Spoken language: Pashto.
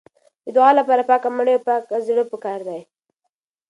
د دعا لپاره پاکه مړۍ او پاک زړه پکار دی.